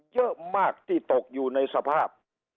เยอะมากที่ตกอยู่ในสภาพ